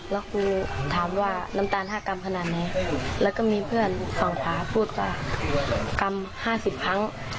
แล้วครูถามว่าน้ำตาล๕กรัมขนาดไหนแล้วก็มีเพื่อนฝั่งขาพูดว่ากรัม๕๐ครั้ง